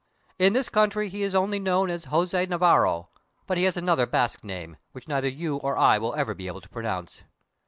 "In this country he is only known as Jose Navarro, but he has another Basque name, which neither your nor I will ever be able to pronounce.